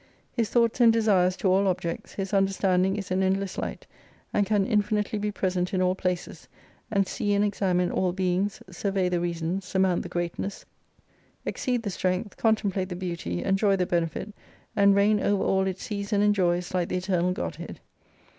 His thoughts and desires can run out to everlasting. His love can extend to all objects, his understanding is an endless light, and can infinitely be present in all places and see and examine all beings, survey the reasons surmount the greatness, exceed the strength, contem plate the beauty, enjoy the benefit, and reign over all it sees and enjoys like the Eternal Godhead.